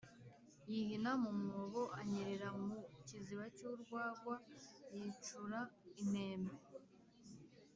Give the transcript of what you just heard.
yihina mu mwobo, anyerera mu kiziba cy'urwagwa, yicura intembe.